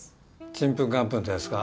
ちんぷんかんぷんってやつか？